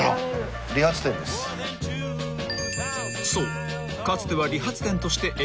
［そう］